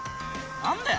何だよ